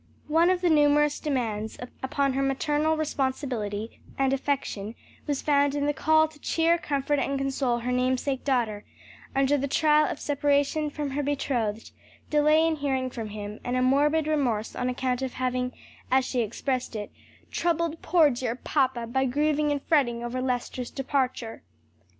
One of the numerous demands upon her maternal responsibility and affection was found in the call to cheer, comfort and console her namesake daughter under the trial of separation from her betrothed, delay in hearing from him, and a morbid remorse on account of having, as she expressed it, "troubled poor, dear papa by grieving and fretting over Lester's departure."